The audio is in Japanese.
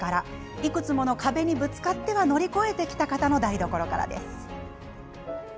いくつもの壁にぶつかっては乗り越えてきた方の台所からです。